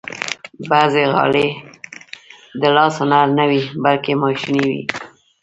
بعضې غالۍ د لاس هنر نه وي، بلکې ماشيني وي.